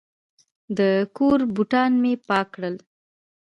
د کور بوټان مې پاک کړل.